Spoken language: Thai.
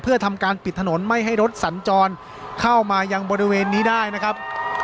เพื่อทำการปิดถนนไม่ให้รถสัญจรเข้ามายังบริเวณนี้ได้นะครับ